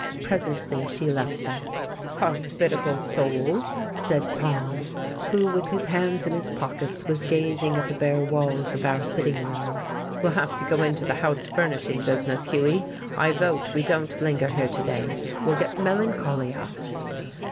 Presently she left us. "Hospitable soul!" said Tom, who, with his hands in his pockets, was gazing at the bare walls of our sitting room. "We'll have to go into the house furnishing business, Hughie. I vote we don't linger here to day we'll get melancholia."